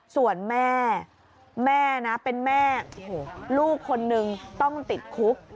ส่วนแม่แม่นะเป็นแม่ลูกคนนึงต้องติดคุก